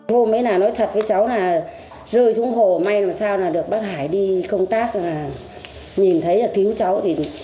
hôm ấy nói thật với cháu là rơi xuống hổ may làm sao được bác hải đi công tác nhìn thấy cứu cháu